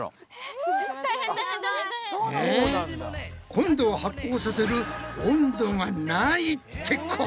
今度は発酵させる温度がないってこと？